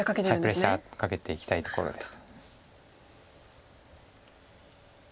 プレッシャーかけていきたいところです。